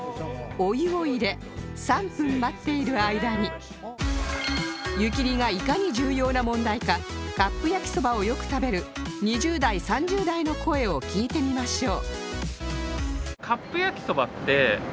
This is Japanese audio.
今回使うのはまずは湯切りがいかに重要な問題かカップ焼きそばをよく食べる２０代３０代の声を聞いてみましょう